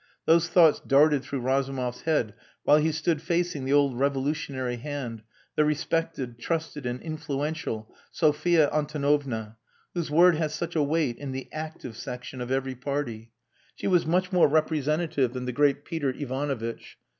Those thoughts darted through Razumov's head while he stood facing the old revolutionary hand, the respected, trusted, and influential Sophia Antonovna, whose word had such a weight in the "active" section of every party. She was much more representative than the great Peter Ivanovitch.